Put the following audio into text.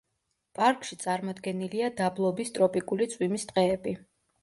პარკში წარმოდგენილია დაბლობის ტროპიკული წვიმის ტყეები.